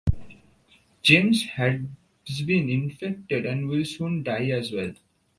James has been infected and will soon die as well.